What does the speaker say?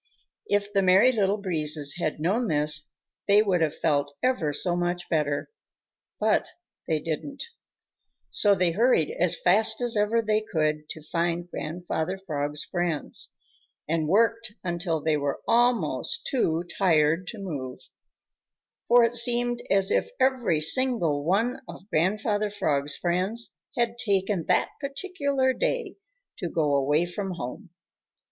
If the Merry Little Breezes had known this, they would have felt ever so much better. But they didn't. So they hurried as fast as ever they could to find Grandfather Frog's friends and worked until they were almost too tired to move, for it seemed as if every single one of Grandfather Frog's friends had taken that particular day to go away from home.